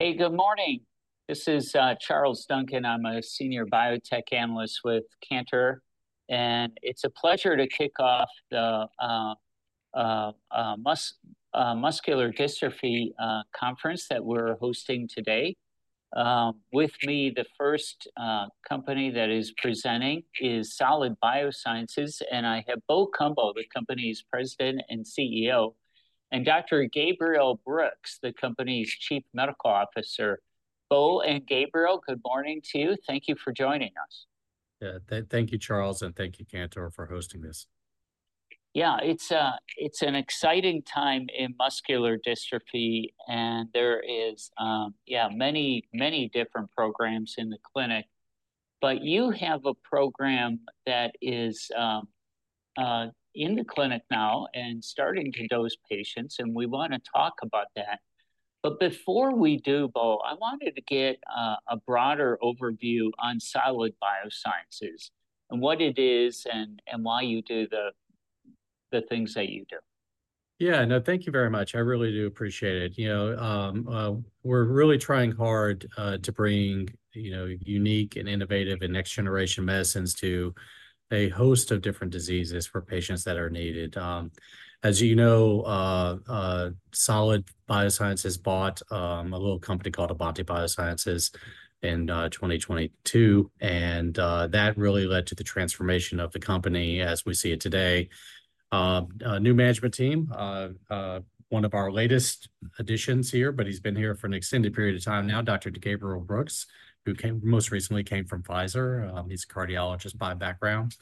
Hey, good morning. This is Charles Duncan. I'm a senior biotech analyst with Cantor, and it's a pleasure to kick off the muscular dystrophy conference that we're hosting today. With me, the first company that is presenting is Solid Biosciences, and I have Bo Cumbo, the company's President and CEO, and Dr. Gabriel Brooks, the company's Chief Medical Officer. Bo and Gabriel, good morning to you. Thank you for joining us. Yeah, thank you, Charles, and thank you, Cantor, for hosting this. Yeah, it's, it's an exciting time in muscular dystrophy, and there is, yeah, many, many different programs in the clinic. But you have a program that is, in the clinic now and starting to dose patients, and we wanna talk about that. But before we do, Bo, I wanted to get, a broader overview on Solid Biosciences and what it is and, and why you do the, the things that you do. Yeah, no, thank you very much. I really do appreciate it. You know, we're really trying hard to bring, you know, unique and innovative and next-generation medicines to a host of different diseases for patients that are needed. As you know, Solid Biosciences bought a little company called AavantiBio in 2022, and that really led to the transformation of the company as we see it today. A new management team, one of our latest additions here, but he's been here for an extended period of time now, Dr. Gabriel Brooks, who came most recently came from Pfizer. He's a cardiologist by background.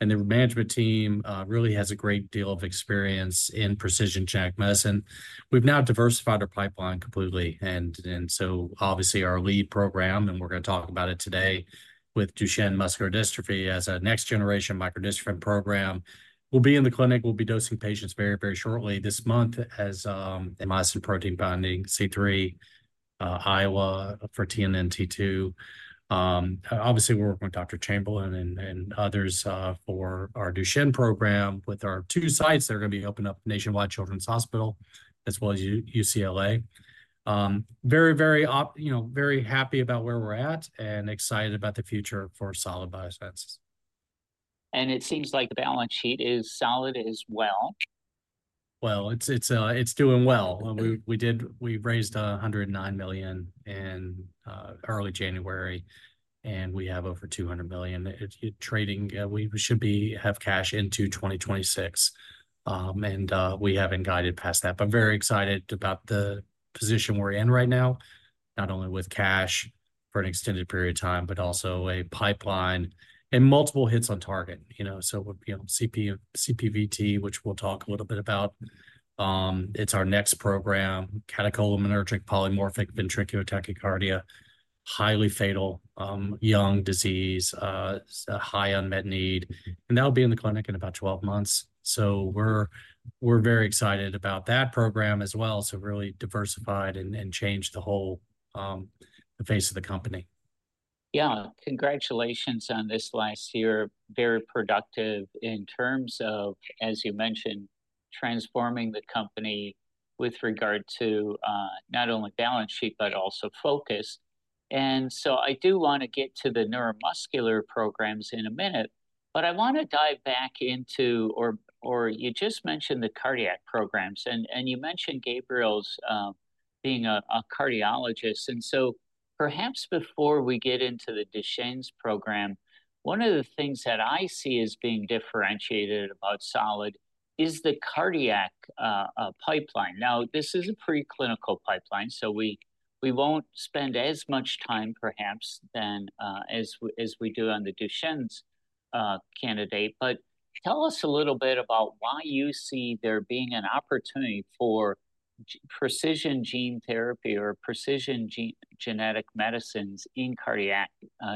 The management team really has a great deal of experience in precision genetic medicine. We've now diversified our pipeline completely, and so obviously our lead program, and we're gonna talk about it today with Duchenne muscular dystrophy as a next-generation microdystrophin program, we'll be in the clinic. We'll be dosing patients very, very shortly. This month. MYBPC3 and for TNNT2. Obviously we're working with Dr. Chamberlain and others for our Duchenne program with our two sites that are gonna be opening up at Nationwide Children's Hospital as well as UCLA. Very, very optimistic, you know, very happy about where we're at and excited about the future for Solid Biosciences. It seems like the balance sheet is solid as well. Well, it's doing well. We raised $109 million in early January, and we have over $200 million. It's trading. We should have cash into 2026. We haven't guided past that, but very excited about the position we're in right now, not only with cash for an extended period of time, but also a pipeline and multiple hits on target, you know. So it would, you know, CPVT, which we'll talk a little bit about. It's our next program, catecholaminergic polymorphic ventricular tachycardia, highly fatal, young disease, high unmet need. And that'll be in the clinic in about 12 months. So we're very excited about that program as well. So really diversified and changed the whole, the face of the company. Yeah, congratulations on this last year. Very productive in terms of, as you mentioned, transforming the company with regard to, not only balance sheet but also focus. And so I do wanna get to the neuromuscular programs in a minute, but I wanna dive back into, or you just mentioned the cardiac programs, and you mentioned Gabriel's being a cardiologist. And so perhaps before we get into the Duchenne's program, one of the things that I see as being differentiated about Solid is the cardiac pipeline. Now, this is a preclinical pipeline, so we won't spend as much time perhaps than as we do on the Duchenne's candidate. But tell us a little bit about why you see there being an opportunity for precision gene therapy or precision gene genetic medicines in cardiac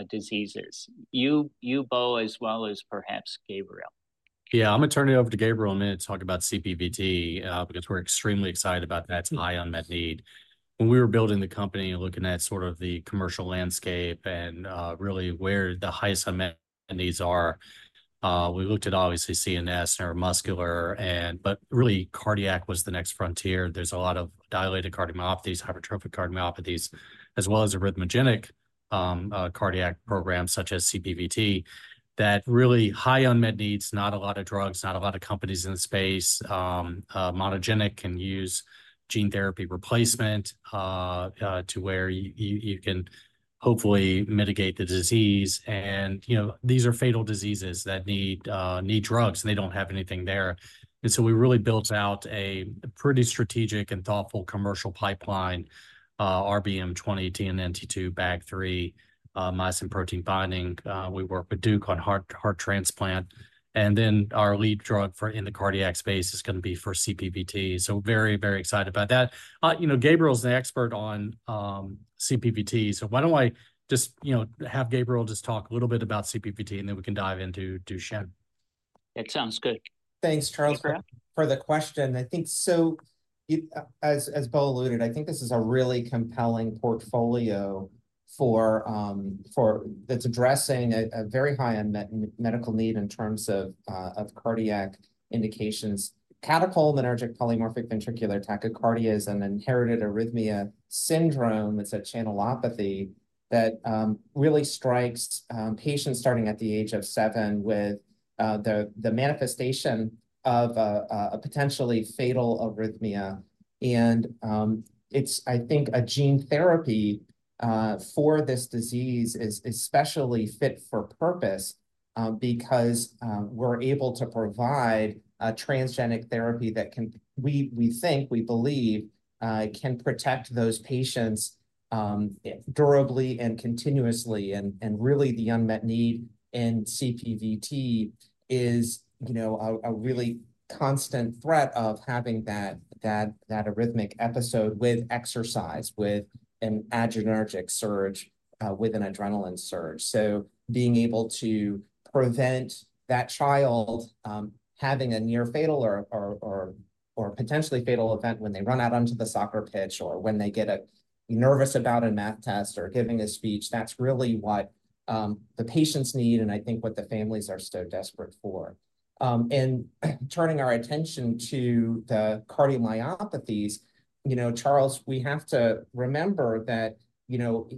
diseases. You, Bo, as well as perhaps Gabriel. Yeah, I'm gonna turn it over to Gabriel in a minute to talk about CPVT, because we're extremely excited about that. It's high unmet need. When we were building the company and looking at sort of the commercial landscape and, really where the highest unmet needs are, we looked at obviously CNS, neuromuscular, and but really cardiac was the next frontier. There's a lot of dilated cardiomyopathies, hypertrophic cardiomyopathies, as well as arrhythmogenic, cardiac programs such as CPVT that really high unmet needs, not a lot of drugs, not a lot of companies in the space, monogenic can use gene therapy replacement, to where you can hopefully mitigate the disease. And, you know, these are fatal diseases that need drugs, and they don't have anything there. And so we really built out a pretty strategic and thoughtful commercial pipeline, RBM20, TNNT2, BAG3, Myosin-binding protein C. We work with Duke on heart, heart transplant. And then our lead drug for in the cardiac space is gonna be for CPVT. So very, very excited about that. You know, Gabriel's an expert on CPVT. So why don't I just, you know, have Gabriel just talk a little bit about CPVT, and then we can dive into Duchenne. It sounds good. Thanks, Charles, for the question. I think, as Bo alluded, I think this is a really compelling portfolio that's addressing a very high unmet medical need in terms of cardiac indications. Catecholaminergic polymorphic ventricular tachycardia is an inherited arrhythmia syndrome. It's a channelopathy that really strikes patients starting at the age of 7 with the manifestation of a potentially fatal arrhythmia. And it's, I think, a gene therapy for this disease is especially fit for purpose, because we're able to provide a transgenic therapy that we think we believe can protect those patients durably and continuously. And really the unmet need in CPVT is, you know, a really constant threat of having that arrhythmic episode with exercise, with an adrenergic surge, with an adrenaline surge. So being able to prevent that child having a near-fatal or potentially fatal event when they run out onto the soccer pitch or when they get nervous about a math test or giving a speech, that's really what the patients need, and I think what the families are so desperate for. Turning our attention to the cardiomyopathies, you know, Charles, we have to remember that, you know,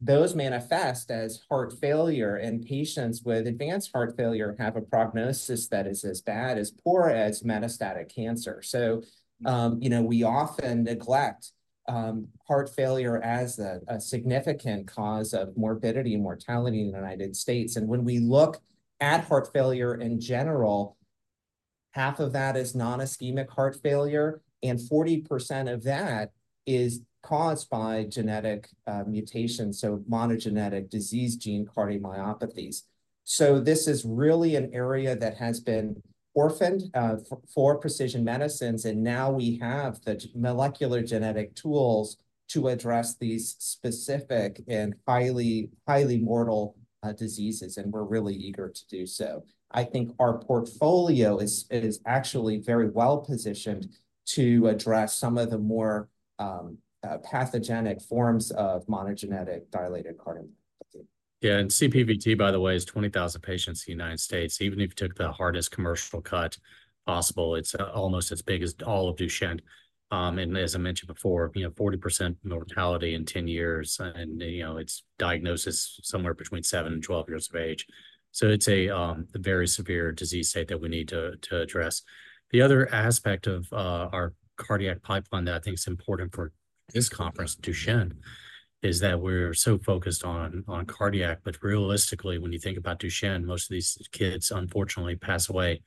those manifest as heart failure, and patients with advanced heart failure have a prognosis that is as bad as poor as metastatic cancer. So, you know, we often neglect heart failure as a significant cause of morbidity and mortality in the United States. When we look at heart failure in general, half of that is non-ischemic heart failure, and 40% of that is caused by genetic mutations, so monogenic disease gene cardiomyopathies. So this is really an area that has been orphaned for precision medicines, and now we have the molecular genetic tools to address these specific and highly, highly mortal diseases, and we're really eager to do so. I think our portfolio is actually very well positioned to address some of the more pathogenic forms of monogenic dilated cardiomyopathy. Yeah, and CPVT, by the way, is 20,000 patients in the United States. Even if you took the hardest commercial cut possible, it's almost as big as all of Duchenne. And as I mentioned before, you know, 40% mortality in 10 years, and, you know, it's diagnosis somewhere between 7 and 12 years of age. So it's a very severe disease state that we need to address. The other aspect of our cardiac pipeline that I think is important for this conference, Duchenne, is that we're so focused on cardiac. But realistically, when you think about Duchenne, most of these kids, unfortunately, pass away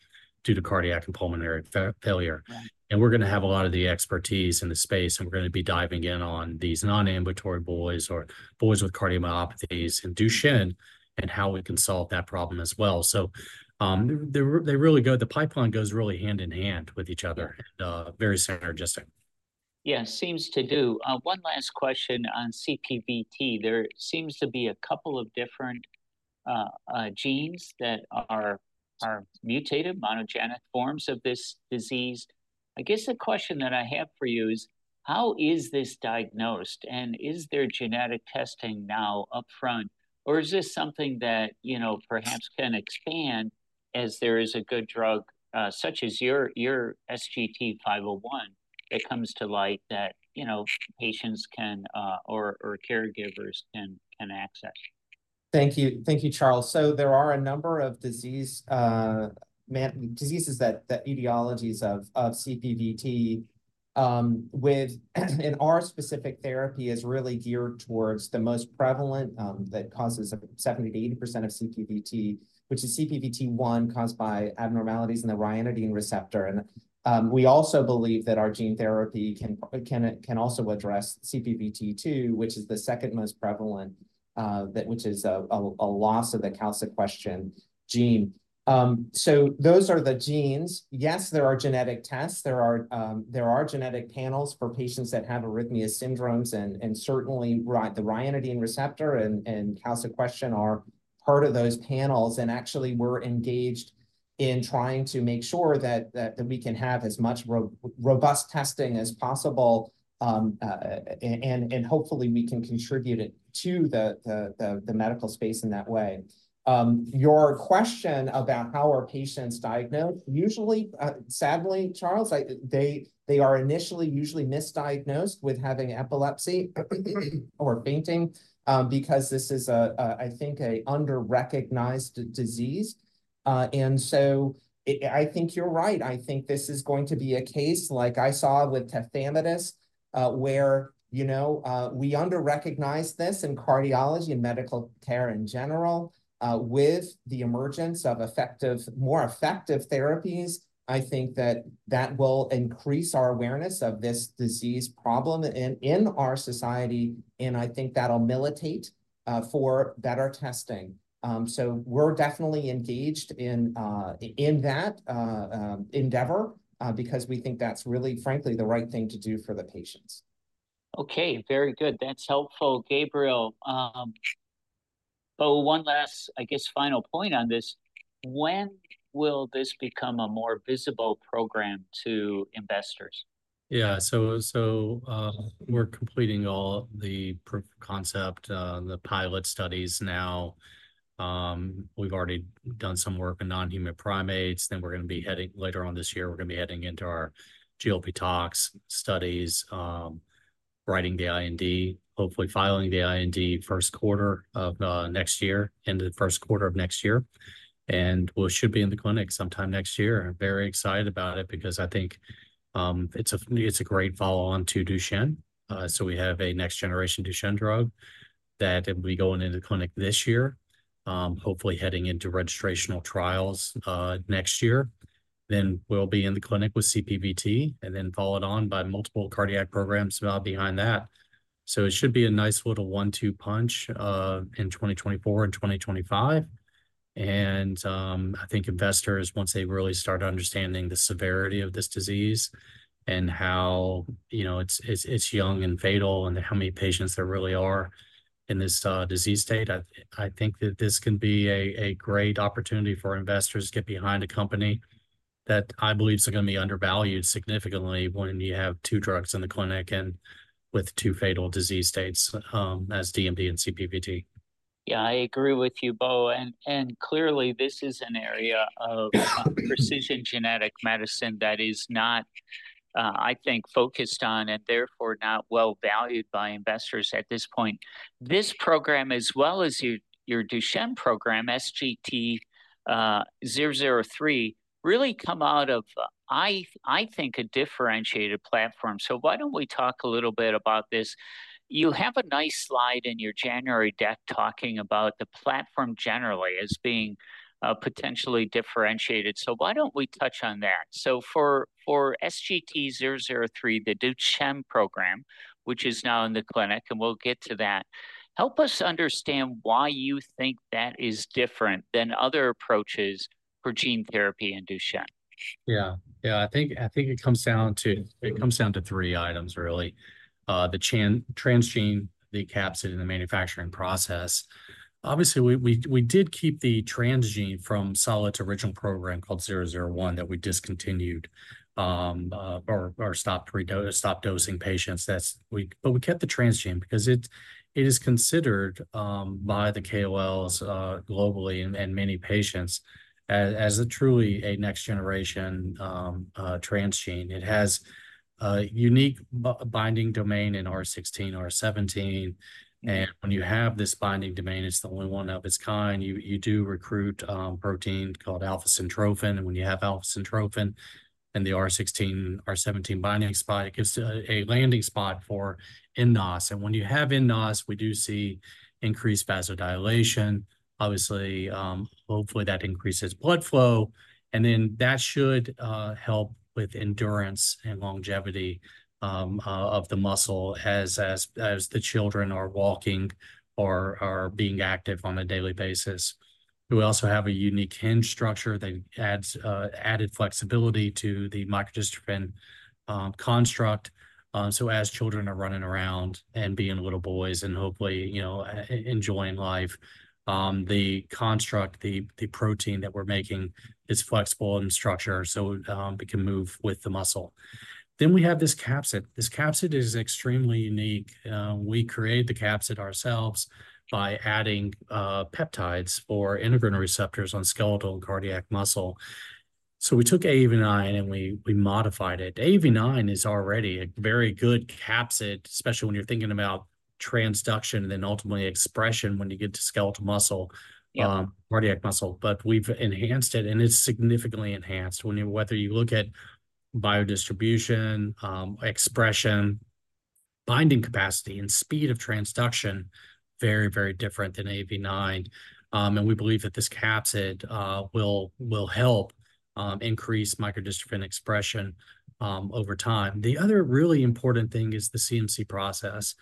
due to cardiac and pulmonary failure. And we're gonna have a lot of the expertise in the space, and we're gonna be diving in on these non-ambulatory boys or boys with cardiomyopathies in Duchenne and how we can solve that problem as well. So, they really, the pipeline goes really hand in hand with each other and very synergistic. Yeah, seems to do. One last question on CPVT. There seems to be a couple of different genes that are mutated, monogenic forms of this disease. I guess the question that I have for you is, how is this diagnosed, and is there genetic testing now upfront, or is this something that, you know, perhaps can expand as there is a good drug, such as your SGT-501 that comes to light that, you know, patients can or caregivers can access? Thank you. Thank you, Charles. So there are a number of diseases, many diseases that etiologies of CPVT, and our specific therapy is really geared towards the most prevalent that causes 70%-80% of CPVT, which is CPVT1 caused by abnormalities in the ryanodine receptor. And we also believe that our gene therapy can also address CPVT2, which is the second most prevalent that which is a loss of the calsequestrin gene. So those are the genes. Yes, there are genetic tests. There are genetic panels for patients that have arrhythmia syndromes and certainly the ryanodine receptor and calsequestrin are part of those panels. Actually, we're engaged in trying to make sure that we can have as much robust testing as possible, and hopefully we can contribute it to the medical space in that way. Your question about how are patients diagnosed? Usually, sadly, Charles, they are initially usually misdiagnosed with having epilepsy or fainting, because this is a I think a under-recognized disease. And so it I think you're right. I think this is going to be a case like I saw with tafamidis, where, you know, we under-recognize this in cardiology and medical care in general, with the emergence of effective more effective therapies. I think that that will increase our awareness of this disease problem in our society, and I think that'll militate for better testing. We're definitely engaged in that endeavor, because we think that's really, frankly, the right thing to do for the patients. Okay, very good. That's helpful, Gabriel. Bo, one last, I guess, final point on this. When will this become a more visible program to investors? Yeah, so, we're completing all the proof of concept, the pilot studies now. We've already done some work on non-human primates. Then we're gonna be heading later on this year into our GLP tox studies, writing the IND, hopefully filing the IND first quarter of next year, end of the first quarter of next year. And we should be in the clinic sometime next year. I'm very excited about it because I think it's a great follow-on to Duchenne. So we have a next-generation Duchenne drug that will be going into the clinic this year, hopefully heading into registrational trials next year. Then we'll be in the clinic with CPVT and then followed by multiple cardiac programs right behind that. So it should be a nice little one-two punch in 2024 and 2025. I think investors, once they really start understanding the severity of this disease and how, you know, it's young and fatal and how many patients there really are in this disease state, I think that this can be a great opportunity for investors to get behind a company that I believe is gonna be undervalued significantly when you have two drugs in the clinic and with two fatal disease states, as DMD and CPVT. Yeah, I agree with you, Bo. And clearly this is an area of precision genetic medicine that is not, I think, focused on and therefore not well valued by investors at this point. This program, as well as your Duchenne program, SGT-003, really come out of, I think, a differentiated platform. So why don't we talk a little bit about this? You have a nice slide in your January deck talking about the platform generally as being potentially differentiated. So why don't we touch on that? So for SGT-003, the Duchenne program, which is now in the clinic, and we'll get to that, help us understand why you think that is different than other approaches for gene therapy in Duchenne. Yeah, yeah, I think it comes down to three items, really. The next-gen transgene, the capsid, and the manufacturing process. Obviously, we did keep the transgene from Solid's original program called 001 that we discontinued, or stopped dosing patients. That's why we kept the transgene because it is considered by the KOLs globally and many patients as a truly next-generation transgene. It has unique binding domain in R16, R17. And when you have this binding domain, it's the only one of its kind. You do recruit protein called alpha-syntrophin. And when you have alpha-syntrophin in the R16, R17 binding spot, it gives a landing spot for nNOS. And when you have nNOS, we do see increased vasodilation. Obviously, hopefully that increases blood flow. And then that should help with endurance and longevity of the muscle as the children are walking or being active on a daily basis. We also have a unique hinge structure that adds flexibility to the microdystrophin construct. So as children are running around and being little boys and hopefully, you know, enjoying life, the construct, the protein that we're making is flexible in structure so it can move with the muscle. Then we have this capsid. This capsid is extremely unique. We create the capsid ourselves by adding peptides for endocytic receptors on skeletal and cardiac muscle. So we took AAV9 and we modified it. AAV9 is already a very good capsid, especially when you're thinking about transduction and then ultimately expression when you get to skeletal muscle, cardiac muscle. But we've enhanced it, and it's significantly enhanced when you whether you look at biodistribution, expression, binding capacity, and speed of transduction, very, very different than AAV9. We believe that this capsid will help increase microdystrophin expression over time. The other really important thing is the CMC process.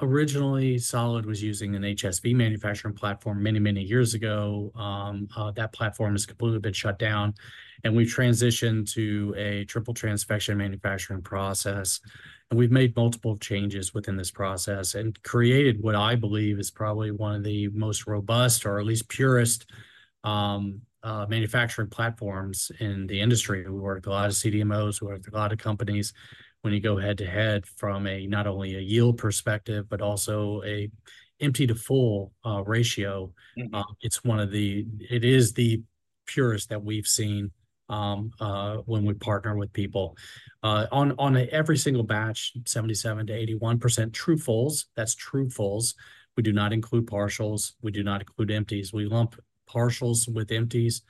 Originally, Solid was using an HSV manufacturing platform many, many years ago. That platform has completely been shut down, and we've transitioned to a triple transfection manufacturing process. We've made multiple changes within this process and created what I believe is probably one of the most robust or at least purest manufacturing platforms in the industry. We work with a lot of CDMOs. We work with a lot of companies. When you go head to head from not only a yield perspective but also an empty to full ratio, it's one of the purest that we've seen when we partner with people. On every single batch, 77%-81% true-fulls. That's true-fulls. We do not include partials. We do not include empties. We lump partials with empties.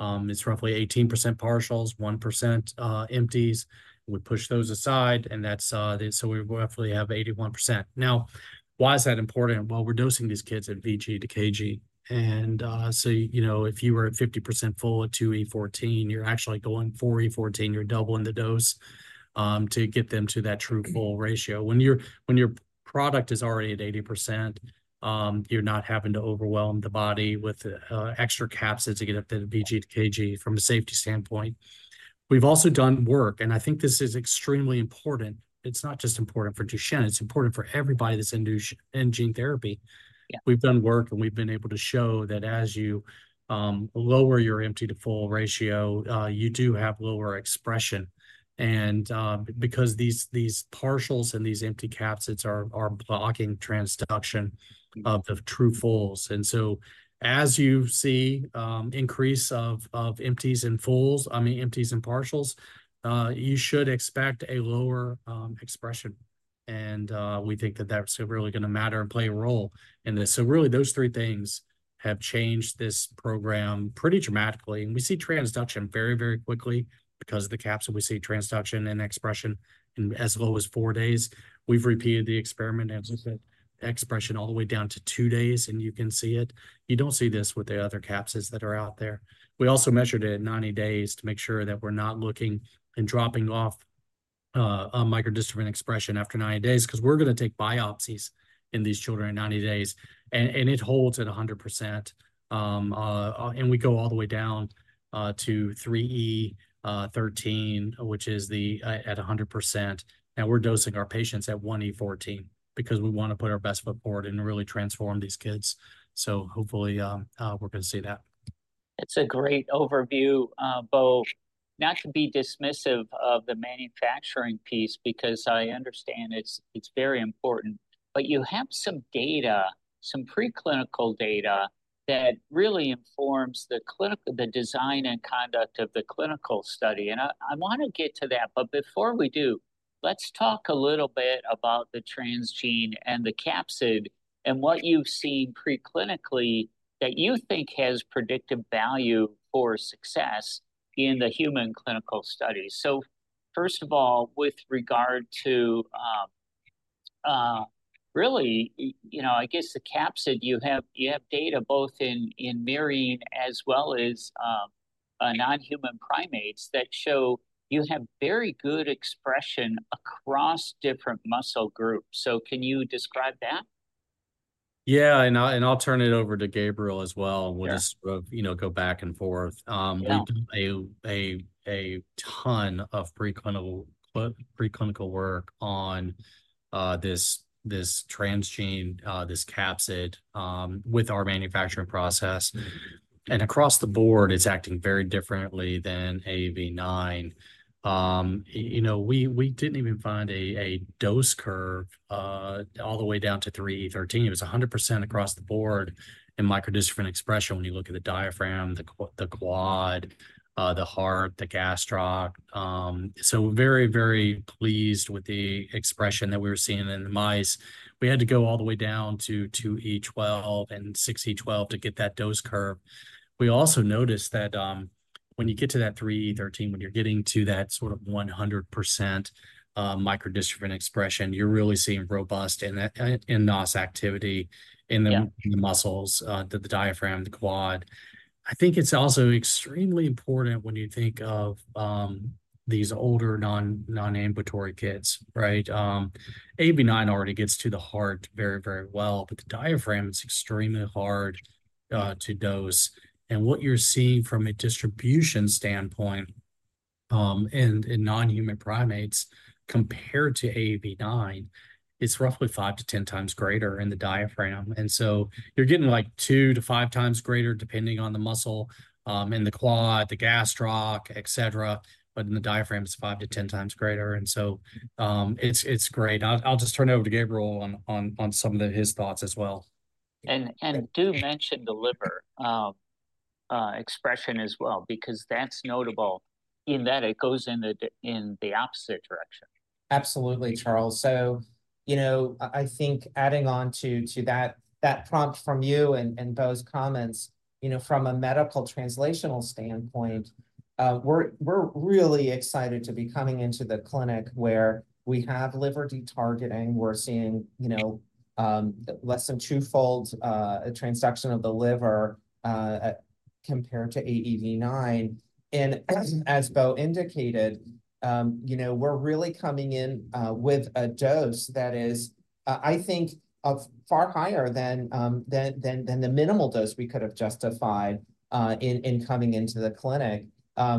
It's roughly 18% partials, 1% empties. We push those aside, and that's, so we roughly have 81%. Now, why is that important? Well, we're dosing these kids at VG/kg. So, you know, if you were at 50% full at 2E14, you're actually going 4E14. You're doubling the dose to get them to that true-full ratio. When your product is already at 80%, you're not having to overwhelm the body with extra capsids to get up to the VG/kg from a safety standpoint. We've also done work, and I think this is extremely important. It's not just important for Duchenne. It's important for everybody that's in Duchenne gene therapy. We've done work, and we've been able to show that as you lower your empty to full ratio, you do have lower expression. And because these partials and these empty capsids are blocking transduction of the true-fulls. And so as you see an increase of empties and partials, you should expect lower expression. And we think that that's really gonna matter and play a role in this. So really, those three things have changed this program pretty dramatically. We see transduction very, very quickly because of the capsid. We see transduction and expression in as low as 4 days. We've repeated the experiment and looked at expression all the way down to 2 days, and you can see it. You don't see this with the other capsids that are out there. We also measured it at 90 days to make sure that we're not looking and dropping off, microdystrophin expression after 90 days because we're gonna take biopsies in these children at 90 days. And, and it holds at 100%. And we go all the way down to 3E13, which is at 100%. Now we're dosing our patients at 1E14 because we wanna put our best foot forward and really transform these kids. So hopefully, we're gonna see that. It's a great overview, Bo, not to be dismissive of the manufacturing piece because I understand it's very important. But you have some data, some preclinical data that really informs the clinical design and conduct of the clinical study. And I wanna get to that. But before we do, let's talk a little bit about the transgene and the capsid and what you've seen preclinically that you think has predictive value for success in the human clinical studies. So first of all, with regard to, really, you know, I guess the capsid, you have data both in murine as well as non-human primates that show you have very good expression across different muscle groups. So can you describe that? Yeah, and I'll turn it over to Gabriel as well. And we'll just sort of, you know, go back and forth. We've done a ton of preclinical work on this transgene, this capsid, with our manufacturing process. And across the board, it's acting very differently than AAV9. You know, we didn't even find a dose curve all the way down to 3E13. It was 100% across the board in microdystrophin expression when you look at the diaphragm, the quad, the heart, the gastroc. So very, very pleased with the expression that we were seeing in the mice. We had to go all the way down to 2E12 and 6E12 to get that dose curve. We also noticed that, when you get to that 3E13, when you're getting to that sort of 100% microdystrophin expression, you're really seeing robust nNOS activity in the muscles, the diaphragm, the quad. I think it's also extremely important when you think of these older non-ambulatory kids, right? AAV9 already gets to the heart very, very well, but the diaphragm, it's extremely hard to dose. And what you're seeing from a distribution standpoint in non-human primates compared to AAV9, it's roughly 5-10 times greater in the diaphragm. And so you're getting like 2-5 times greater depending on the muscle, in the quad, the gastroc, etc. But in the diaphragm, it's 5-10 times greater. And so it's great. I'll just turn it over to Gabriel on some of his thoughts as well. Do mention the liver expression as well because that's notable in that it goes in the opposite direction. Absolutely, Charles. So, you know, I think adding on to that prompt from you and Bo's comments, you know, from a medical translational standpoint, we're really excited to be coming into the clinic where we have liver detargeting. We're seeing, you know, less than twofold transduction of the liver, compared to AAV9. And as Bo indicated, you know, we're really coming in with a dose that is, I think, far higher than the minimal dose we could have justified in coming into the clinic,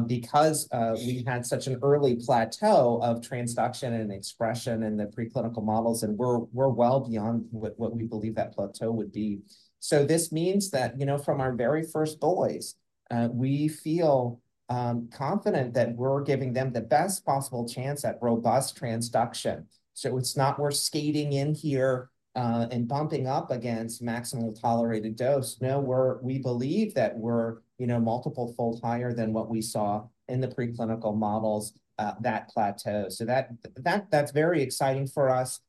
because we had such an early plateau of transduction and expression in the preclinical models. And we're well beyond what we believe that plateau would be. So this means that, you know, from our very first boys, we feel confident that we're giving them the best possible chance at robust transduction. So it's not we're skating in here, and bumping up against maximum tolerated dose. No, we believe that we're, you know, multiple-fold higher than what we saw in the preclinical models, that plateau. So that, that's very exciting for us.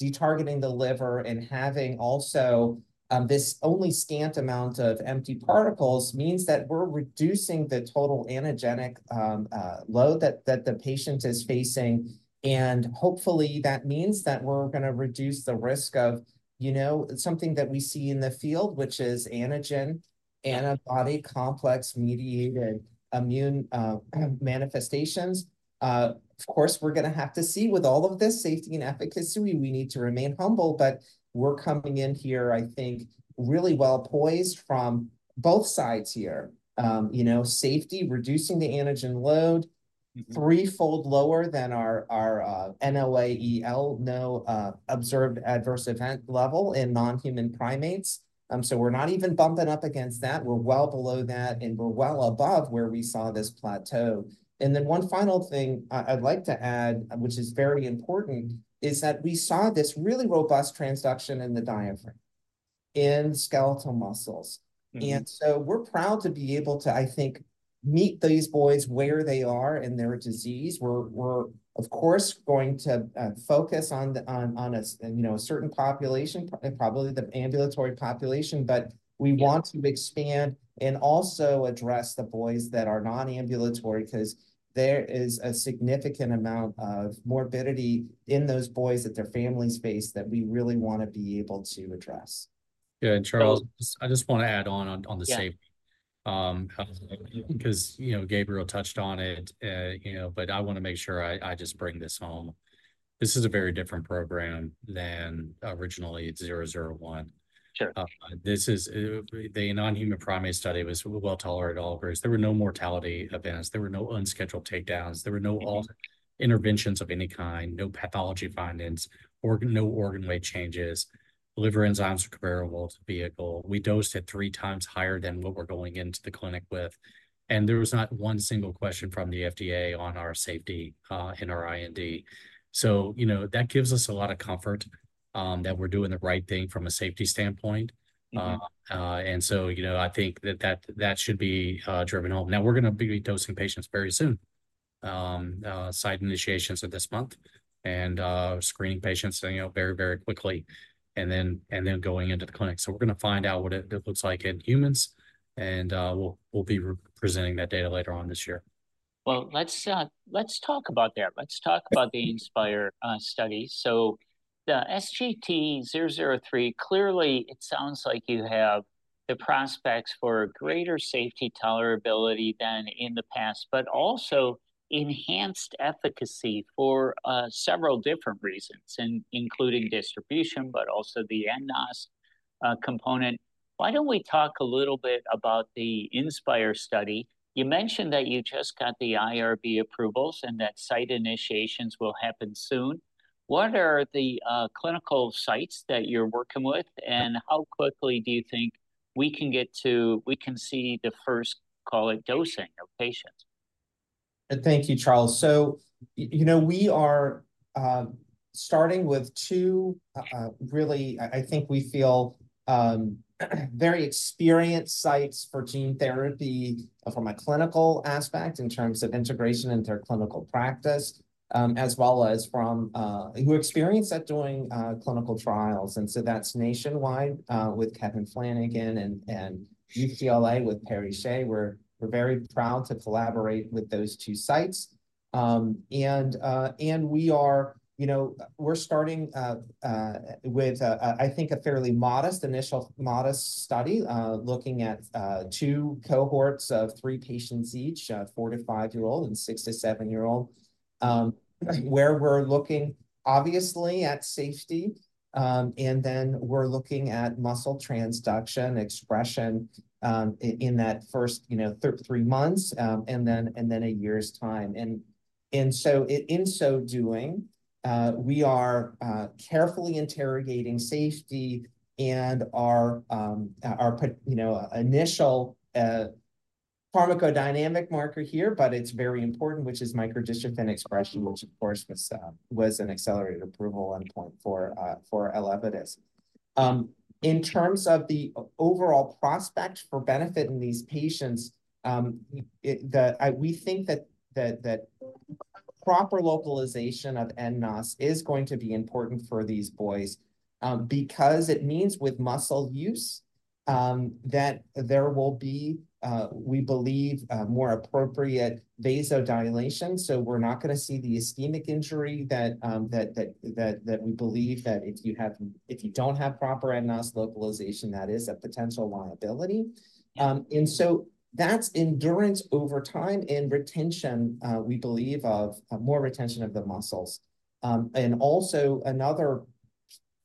Detargeting the liver and having also this only scant amount of empty particles means that we're reducing the total antigenic load that the patient is facing. And hopefully, that means that we're gonna reduce the risk of, you know, something that we see in the field, which is antigen-antibody complex-mediated immune manifestations. Of course, we're gonna have to see with all of this safety and efficacy. We need to remain humble. But we're coming in here, I think, really well poised from both sides here. You know, safety, reducing the antigen load, threefold lower than our NOAEL, No Observed Adverse Effect Level in non-human primates. So we're not even bumping up against that. We're well below that, and we're well above where we saw this plateau. And then one final thing I'd like to add, which is very important, is that we saw this really robust transduction in the diaphragm, in skeletal muscles. And so we're proud to be able to, I think, meet these boys where they are in their disease. We're, of course, going to focus on the, you know, a certain population, probably the ambulatory population. But we want to expand and also address the boys that are non-ambulatory because there is a significant amount of morbidity in those boys that their families face that we really wanna be able to address. Yeah, Charles, I just wanna add on the safety, because, you know, Gabriel touched on it, you know, but I wanna make sure I just bring this home. This is a very different program than originally at 001. Sure. This is the non-human primate study was well tolerated at all groups. There were no mortality events. There were no unscheduled takedowns. There were no all interventions of any kind, no pathology findings, or no organ weight changes. Liver enzymes were comparable to vehicle. We dosed at three times higher than what we're going into the clinic with. And there was not one single question from the FDA on our safety, in our IND. So, you know, that gives us a lot of comfort, that we're doing the right thing from a safety standpoint. And so, you know, I think that should be driven home. Now we're gonna be dosing patients very soon, site initiations are this month and screening patients, you know, very, very quickly and then going into the clinic. So we're gonna find out what it looks like in humans. We'll be presenting that data later on this year. Well, let's talk about that. Let's talk about the INSPIRE study. So the SGT-003, clearly, it sounds like you have the prospects for greater safety tolerability than in the past but also enhanced efficacy for several different reasons, including distribution but also the nNOS component. Why don't we talk a little bit about the INSPIRE study? You mentioned that you just got the IRB approvals and that site initiations will happen soon. What are the clinical sites that you're working with, and how quickly do you think we can get to see the first, call it, dosing of patients? Thank you, Charles. So, you know, we are starting with 2 really, I think we feel very experienced sites for gene therapy from a clinical aspect in terms of integration into their clinical practice, as well as from experience doing clinical trials. And so that's Nationwide, with Kevin Flanigan and UCLA with Perry Shieh. We're very proud to collaborate with those 2 sites. And we are, you know, we're starting with, I think, a fairly modest initial study, looking at 2 cohorts of 3 patients each, 4- to 5-year-old and 6- to 7-year-old, where we're looking, obviously, at safety. And then we're looking at muscle transduction expression, in that first, you know, 3 months, and then a year's time. In so doing, we are carefully interrogating safety and our you know initial pharmacodynamic marker here, but it's very important, which is microdystrophin expression, which of course was an accelerated approval endpoint for Elevidys. In terms of the overall prospect for benefit in these patients, we think that proper localization of nNOS is going to be important for these boys, because it means with muscle use that there will be we believe more appropriate vasodilation. So we're not gonna see the ischemic injury that we believe that if you don't have proper nNOS localization that is a potential liability. And so that's endurance over time and retention we believe of more retention of the muscles. and also another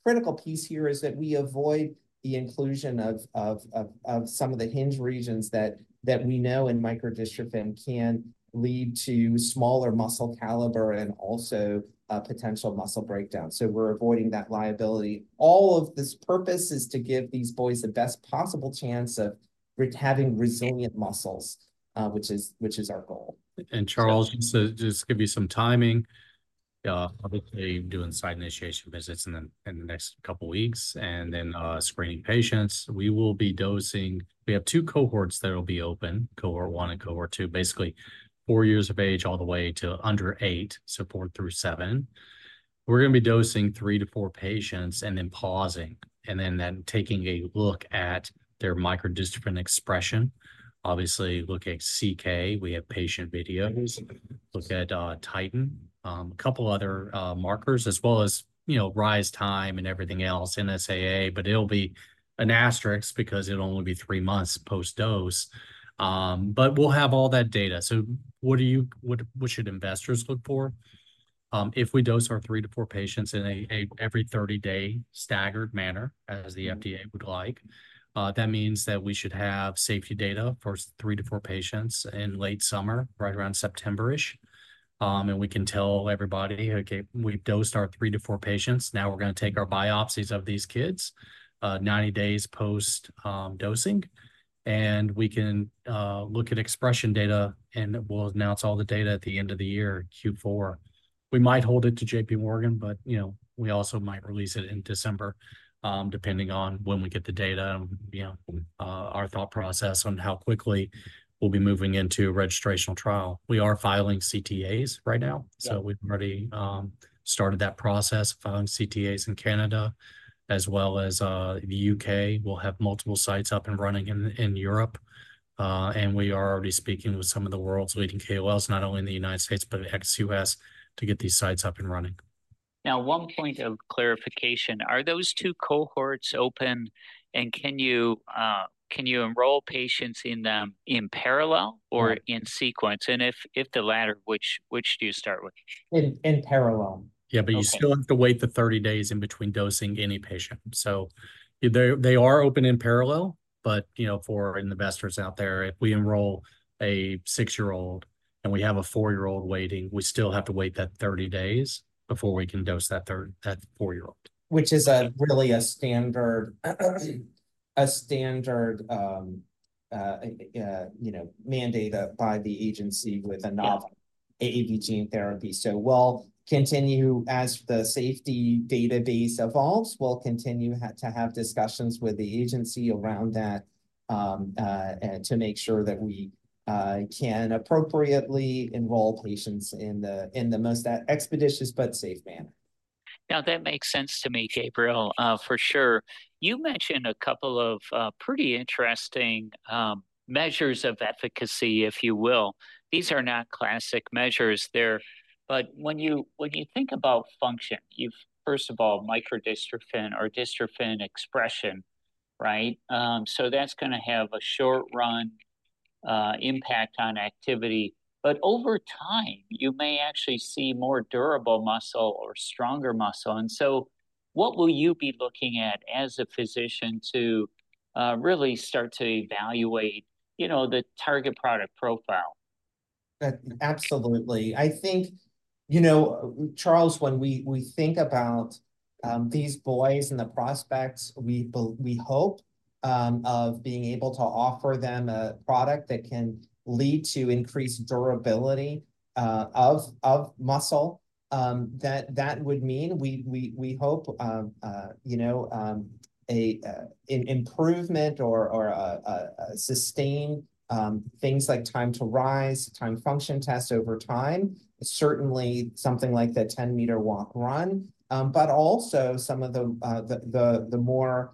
critical piece here is that we avoid the inclusion of some of the hinge regions that we know in microdystrophin can lead to smaller muscle caliber and also potential muscle breakdown. So we're avoiding that liability. All of this purpose is to give these boys the best possible chance of having resilient muscles, which is our goal. Charles, just to give you some timing, obviously, doing site initiation visits in the next couple of weeks and then screening patients. We will be dosing. We have two cohorts that'll be open, cohort one and cohort two, basically 4 years of age all the way to under 8, so 4 through 7. We're gonna be dosing 3-4 patients and then pausing and then taking a look at their microdystrophin expression. Obviously, look at CK. We have patient videos. Look at titin, a couple other markers as well as, you know, rise time and everything else, NSAA. But it'll be an asterisk because it'll only be 3 months post-dose, but we'll have all that data. So what do you what should investors look for? If we dose our 3-4 patients in a every 30-day staggered manner as the FDA would like, that means that we should have safety data for 3-4 patients in late summer, right around September-ish. We can tell everybody, "Okay, we've dosed our 3-4 patients. Now we're gonna take our biopsies of these kids, 90 days post dosing." We can look at expression data, and we'll announce all the data at the end of the year, Q4. We might hold it to JPMorgan, but you know, we also might release it in December, depending on when we get the data and you know, our thought process on how quickly we'll be moving into registration trial. We are filing CTAs right now. So we've already started that process, filing CTAs in Canada as well as the U.K. We'll have multiple sites up and running in Europe. We are already speaking with some of the world's leading KOLs, not only in the United States but ex-U.S., to get these sites up and running. Now, one point of clarification. Are those two cohorts open? And can you enroll patients in them in parallel or in sequence? And if the latter, which do you start with? In parallel. Yeah, but you still have to wait the 30 days in between dosing any patient. So they are open in parallel. But, you know, for investors out there, if we enroll a six-year-old and we have a four-year-old waiting, we still have to wait that 30 days before we can dose that four-year-old. Which is really a standard, you know, mandate by the agency with a novel AAV gene therapy. So we'll continue as the safety database evolves. We'll continue to have discussions with the agency around that, to make sure that we can appropriately enroll patients in the most expeditious but safe manner. Now, that makes sense to me, Gabriel, for sure. You mentioned a couple of pretty interesting measures of efficacy, if you will. These are not classic measures. They're but when you think about function, you've first of all, microdystrophin or dystrophin expression, right? So that's gonna have a short-run impact on activity. But over time, you may actually see more durable muscle or stronger muscle. And so what will you be looking at as a physician to really start to evaluate, you know, the target product profile? That absolutely. I think, you know, Charles, when we think about these boys and the prospects we hope of being able to offer them a product that can lead to increased durability of muscle. That would mean we hope, you know, a improvement or a sustained things like time to rise, timed function tests over time, certainly something like the 10-meter walk run. But also some of the more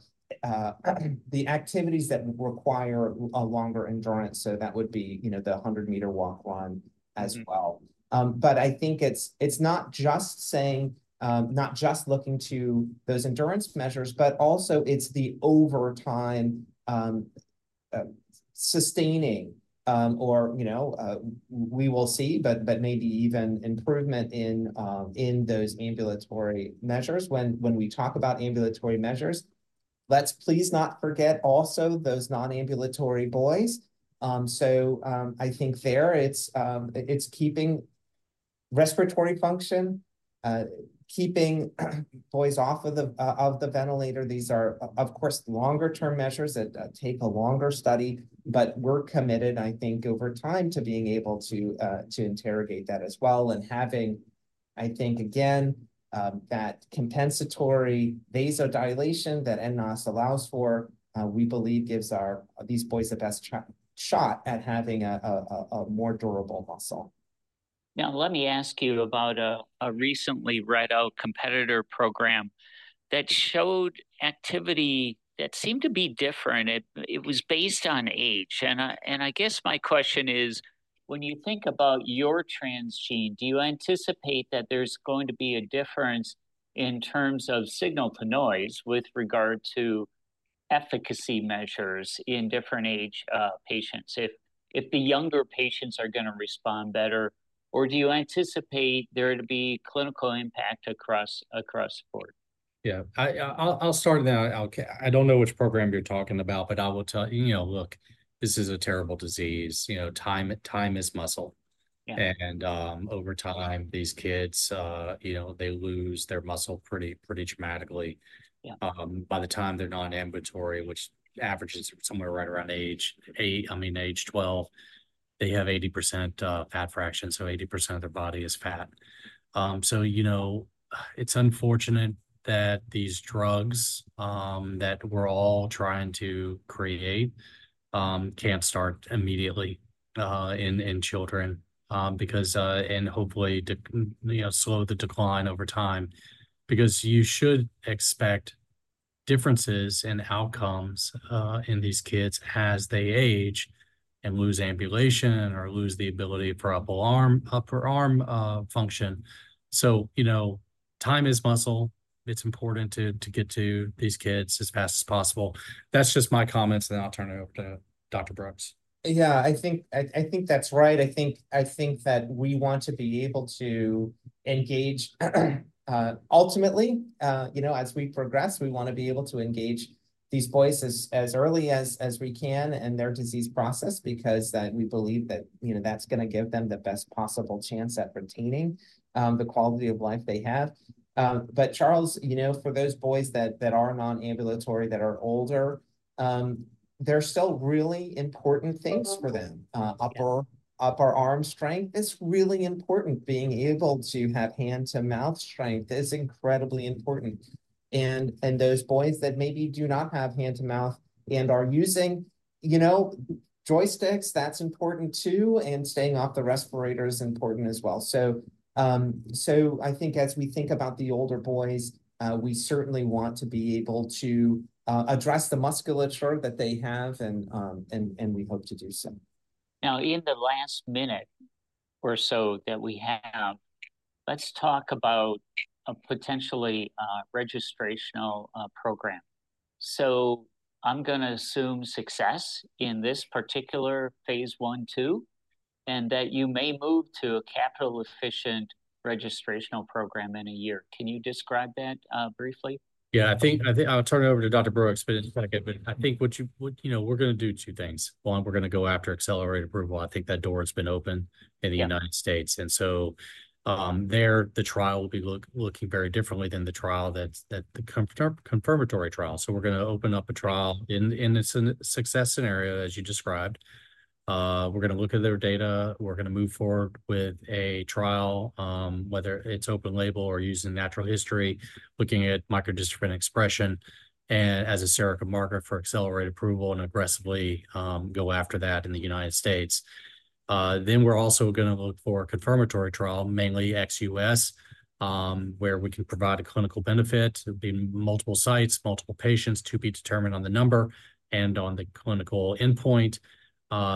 activities that require a longer endurance. So that would be, you know, the 100-meter walk run as well. But I think it's not just saying, not just looking to those endurance measures, but also it's the over time sustaining, or, you know, we will see, but maybe even improvement in those ambulatory measures. When we talk about ambulatory measures, let's please not forget also those non-ambulatory boys. So, I think there, it's keeping respiratory function, keeping boys off of the ventilator. These are, of course, longer-term measures that take a longer study. But we're committed, I think, over time to being able to interrogate that as well and having, I think, again, that compensatory vasodilation that nNOS allows for; we believe gives our these boys the best shot at having a more durable muscle. Now, let me ask you about a recently read-out competitor program that showed activity that seemed to be different. It was based on age. And I guess my question is, when you think about your transgene, do you anticipate that there's going to be a difference in terms of signal to noise with regard to efficacy measures in different age patients? If the younger patients are gonna respond better, or do you anticipate there to be clinical impact across board? Yeah, I'll start there. I don't know which program you're talking about, but I will tell you, you know, look, this is a terrible disease. You know, time is muscle. Yeah. Over time, these kids, you know, they lose their muscle pretty pretty dramatically. Yeah. By the time they're non-ambulatory, which averages somewhere right around age 12, they have 80% fat fraction. So 80% of their body is fat. So, you know, it's unfortunate that these drugs that we're all trying to create can't start immediately in children, because and hopefully to, you know, slow the decline over time. Because you should expect differences in outcomes in these kids as they age and lose ambulation or lose the ability for upper arm function. So, you know, time is muscle. It's important to get to these kids as fast as possible. That's just my comments, and then I'll turn it over to Dr. Brooks. Yeah, I think that's right. I think that we want to be able to engage, ultimately, you know, as we progress, we wanna be able to engage these boys as early as we can in their disease process because we believe that, you know, that's gonna give them the best possible chance at retaining the quality of life they have. But Charles, you know, for those boys that are non-ambulatory, that are older, there's still really important things for them. Upper arm strength is really important. Being able to have hand-to-mouth strength is incredibly important. And those boys that maybe do not have hand-to-mouth and are using, you know, joysticks, that's important too. And staying off the respirators is important as well. So I think as we think about the older boys, we certainly want to be able to address the musculature that they have. And we hope to do so. Now, in the last minute or so that we have, let's talk about a potentially registrational program. So I'm gonna assume success in this particular phase I/II, and that you may move to a capital-efficient registrational program in a year. Can you describe that, briefly? Yeah, I think I'll turn it over to Dr. Brooks for a second. But I think what you know, we're gonna do two things. One, we're gonna go after accelerated approval. I think that door has been open in the United States. And so, then the trial will be looking very differently than the trial that's the confirmatory trial. So we're gonna open up a trial in a success scenario, as you described. We're gonna look at their data. We're gonna move forward with a trial, whether it's open label or using natural history, looking at microdystrophin expression and as a surrogate marker for accelerated approval and aggressively go after that in the United States. Then we're also gonna look for a confirmatory trial, mainly ex-U.S., where we can provide a clinical benefit. It'll be multiple sites, multiple patients to be determined on the number and on the clinical endpoint.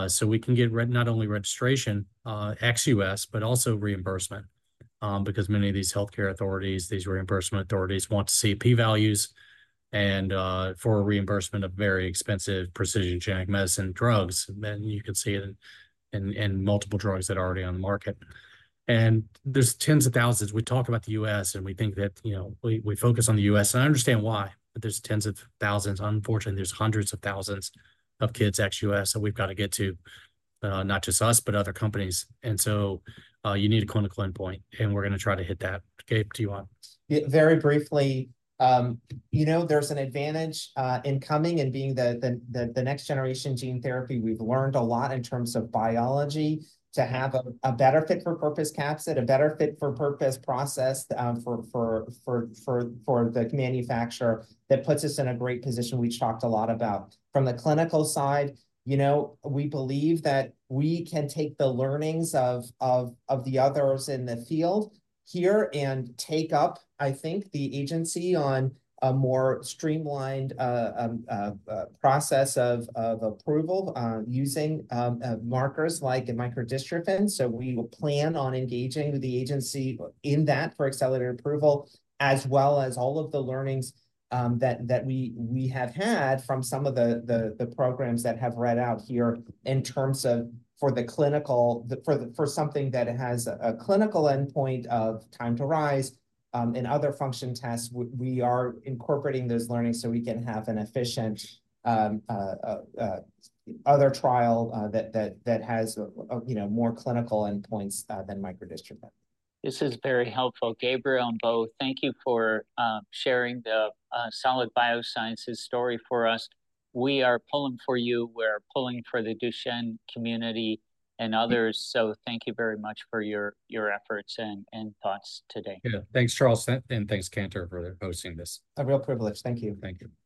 So we can get not only registration, ex-U.S., but also reimbursement, because many of these healthcare authorities, these reimbursement authorities want to see P values and, for reimbursement of very expensive precision genetic medicine drugs. And you can see it in multiple drugs that are already on the market. And there's tens of thousands. We talk about the U.S., and we think that, you know, we focus on the U.S. And I understand why. But there's tens of thousands. Unfortunately, there's hundreds of thousands of kids ex-U.S. that we've gotta get to, not just us, but other companies. And so, you need a clinical endpoint. And we're gonna try to hit that. Gabe, do you want? Yeah, very briefly, you know, there's an advantage in coming and being the next generation gene therapy. We've learned a lot in terms of biology to have a better fit-for-purpose capsid, a better fit-for-purpose process, for the manufacturer that puts us in a great position. We talked a lot about from the clinical side, you know, we believe that we can take the learnings of the others in the field here and take up, I think, the agency on a more streamlined process of approval, using markers like a microdystrophin. So we will plan on engaging the agency in that for accelerated approval as well as all of the learnings that we have had from some of the programs that have read out here in terms of the clinical for something that has a clinical endpoint of time to rise in other function tests. We are incorporating those learnings so we can have an efficient other trial that has, you know, more clinical endpoints than microdystrophin. This is very helpful, Gabriel and Bo. Thank you for sharing the Solid Biosciences story for us. We are pulling for you. We're pulling for the Duchenne community and others. So thank you very much for your efforts and thoughts today. Yeah, thanks, Charles. Thanks, Cantor, for hosting this. A real privilege. Thank you. Thank you.